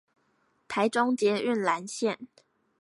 台中捷運藍線